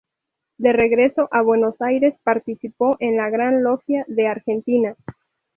De regreso a Buenos Aires, participó en la Gran Logia de Argentina.